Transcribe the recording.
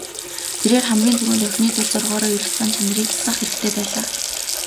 Тэрээр хамгийн түрүүнд охины дур зоргоороо эрх зан чанарыг засах хэрэгтэй байлаа.